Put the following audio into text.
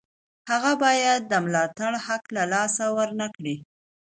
هغه باید د ملاتړ حق له لاسه ورنکړي.